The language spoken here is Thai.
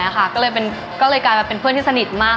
ก็เลยกลายมาเป็นเพื่อนที่สนิทมาก